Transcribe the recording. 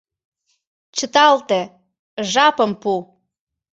Чыталте, жапым пу.